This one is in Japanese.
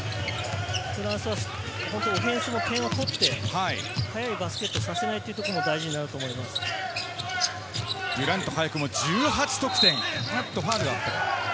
フランスはオフェンスで点を取って速いバスケットをさせないというのも大事デュラントは早くも１８得点。